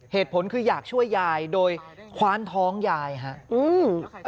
เหตุผลคืออยากช่วยยายโดยคว้านท้องยายครับ